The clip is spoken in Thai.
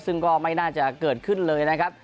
ซึ่งก็ไม่น่าจะเกิดขึ้นเลยนะครับ